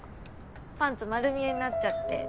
パンツ丸見えになっちゃって。